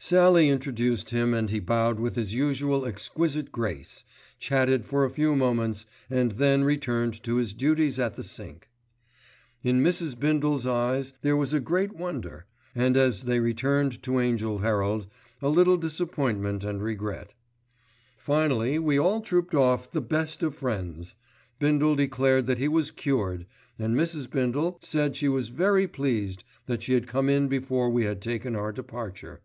Sallie introduced him and he bowed with his usual exquisite grace, chatted for a few moments, and then returned to his duties at the sink. In Mrs. Bindle's eyes there was a great wonder, and as they returned to Angell Herald, a little disappointment and regret. Finally we all trooped off the best of friends. Bindle declared that he was cured, and Mrs. Bindle said she was very pleased that she had come in before we had taken our departure.